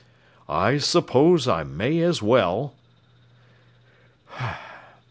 "I suppose I may as well!"